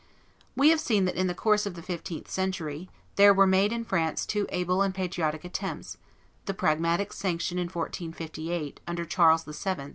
We have seen that in the course of the fifteenth century, there were made in France two able and patriotic attempts; the Pragmatic Sanction, in 1458, under Charles VII.